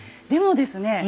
でもですね